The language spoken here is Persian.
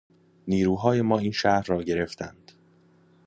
نیروهای ما این شهر را گرفتند.